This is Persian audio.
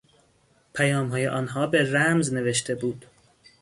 پیامهای آنها به رمز نوشته بود.